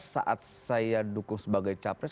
saat saya dukung sebagai capres